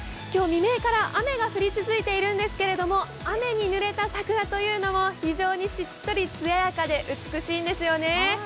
今日未明から雨が降り続いているんですけども雨にぬれた桜というのも非常にしっとり、つややかで美しいんですよね。